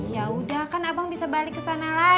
yaudah kan abang bisa balik ke sana